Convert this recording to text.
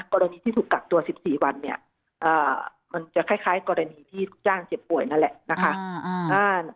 กรณีที่ถูกกักตัว๑๔วันมันจะคล้ายกรณีที่จ้างเจ็บป่วยนั่นแหละ